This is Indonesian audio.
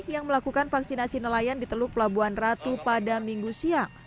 yang melakukan vaksinasi nelayan di teluk pelabuhan ratu pada minggu siang